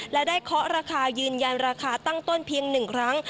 และได้เคาะราคายืนยันราคาตั้งต้นเพียง๑ครั้ง